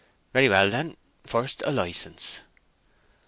"Very well, then; first, a license."